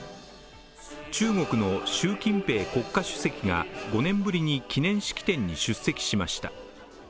中国の習近平国家主席が５年ぶりに記念式典に出席しました。